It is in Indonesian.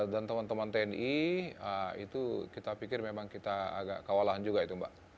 dan teman teman tni itu kita pikir memang kita agak kewalahan juga itu mbak